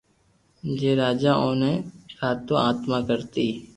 جي راجا اوني ڪآتو آتما ڪرتي